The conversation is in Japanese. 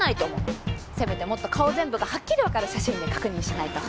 せめてもっと顔全部がはっきりわかる写真で確認しないと。